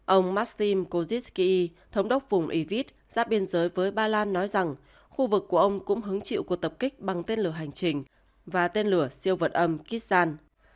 ông maksim koziskiy thống đốc vùng ivit giáp biên giới với ba lan nói rằng khu vực của ông cũng hứng chịu cuộc tập kích bằng tên lửa hành trình và tên lửa siêu vật âm kizan